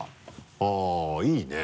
あぁいいね。